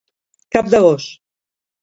Cap de gos.